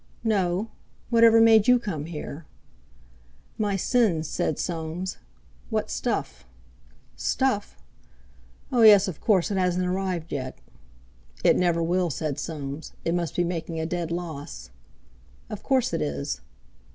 "No. Whatever made you come here?" "My sins," said Soames. "What stuff!" "Stuff? Oh, yes—of course; it hasn't arrived yet. "It never will," said Soames; "it must be making a dead loss." "Of course it is."